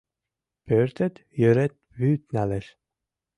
Пӧртет йырет вӱд налеш.